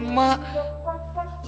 ini cuma mau bangunin mak